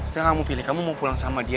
sekarang kamu pilih kamu mau pulang sama dia